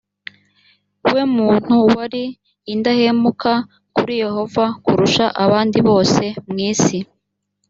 we muntu wari indahemuka kuri yehova kurusha abandi bose mu isi